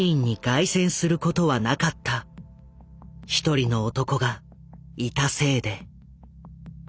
１人の男がいたせいで。